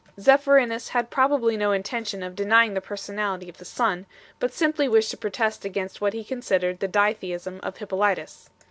Zephyrinus had probably no intention of denying the Personality of the Son, but simply wished to protest against what he considered the ditheism of Hippolytus.